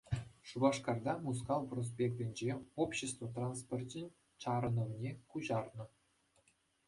Шупашкарта Мускав проспектӗнче общество транспорчӗн чарӑнӑвне куҫарнӑ.